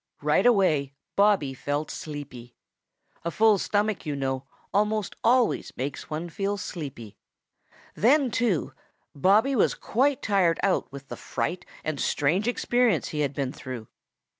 Right away Bobby felt sleepy. A full stomach, you know, almost always makes one feel sleepy. Then, too, Bobby was quite tired out with the fright and strange experience he had been through.